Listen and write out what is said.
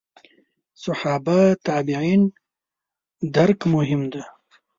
صحابه تابعین درک مهم دي.